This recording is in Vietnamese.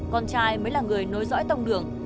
con trai mới là người nối dõi tổng đường